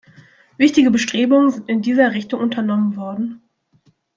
Wichtige Bestrebungen sind in dieser Richtung unternommen worden.